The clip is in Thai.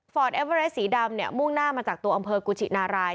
เอเวอเรสสีดำเนี่ยมุ่งหน้ามาจากตัวอำเภอกุชินาราย